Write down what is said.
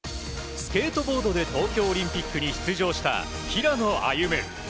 スケートボードで東京オリンピックに出場した平野歩夢。